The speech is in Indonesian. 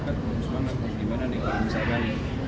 waduh mas aku bilang ini beneran